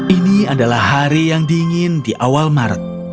ini adalah hari yang dingin di awal maret